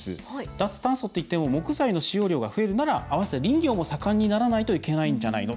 「脱炭素っていっても木造の使用量が増えるなら併せて林業も盛んにならないといけないんじゃないの？